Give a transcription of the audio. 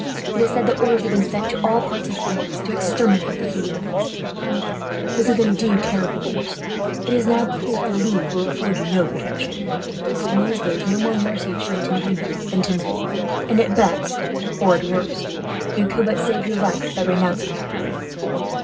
It is said that orders have been sent, to all parts of France, to exterminate the Huguenots." Philip made a sign to Pierre to leave the hut. "This is terrible news," he said to Claire, "and it is now clear that the Louvre will afford you no protection. In these days, no more mercy is shown to women than to men; and at best, or at worst, you could but save your life by renouncing your faith."